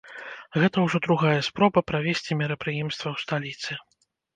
Гэта ўжо другая спроба правесці мерапрыемства ў сталіцы.